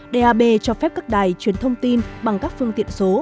dap cho phép các đài chuyển thông tin bằng các phương tiện số